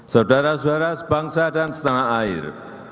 saudara saudara sebangsa dan setanah air